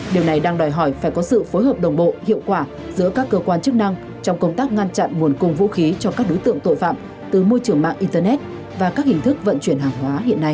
điều này đang đòi hỏi phải có sự phối hợp đồng bộ hiệu quả giữa các cơ quan chức năng trong công tác ngăn chặn nguồn cung vũ khí cho các đối tượng tội phạm từ môi trường mạng internet và các hình thức vận chuyển hàng hóa hiện nay